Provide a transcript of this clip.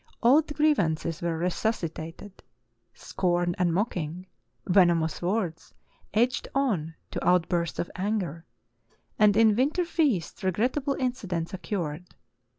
Old grievances were resuscitated; scorn and mocking, venomous words egged on to outbursts of anger; and in winter feasts regrettable incidents occurred.